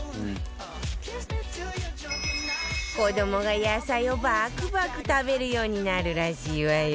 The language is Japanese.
子どもが野菜をバクバク食べるようになるらしいわよ